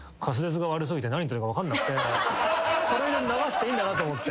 これで流していいんだなと思って。